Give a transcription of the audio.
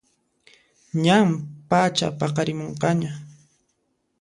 Ñan pachapaqarimunqaña